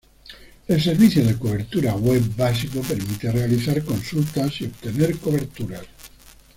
El servicio de cobertura web básico permite realizar consultas y obtener coberturas.